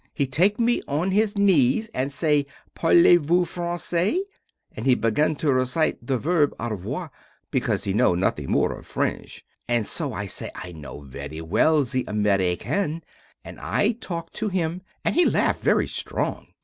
He take me on his knees and say: "Parlez vous français" and he begin to recite the verb "avoir," because he know nothing more of French. And so I say I know very well the American and I talk at him and he laugh very strong.